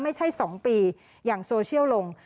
ไม่ใช่๒ปีอย่างโซเชียลลง